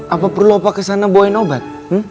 apa perlu opa kesana bawain obat